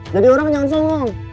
jadi orangnya jangan songong